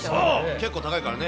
結構高いからね。